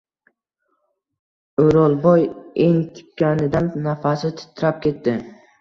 O’rolboy entikanidan nafasi titrab ketdi.